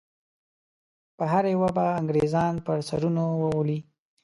په هره یوه به انګریزان پر سرونو وولي.